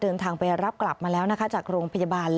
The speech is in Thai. เดินทางไปรับกลับมาแล้วนะคะจากโรงพยาบาล